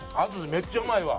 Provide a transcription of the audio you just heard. めっちゃうまいわ。